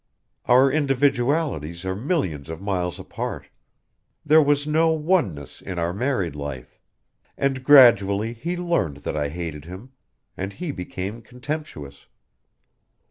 Our individualities are millions of miles apart. There was no oneness in our married life. And gradually he learned that I hated him and he became contemptuous.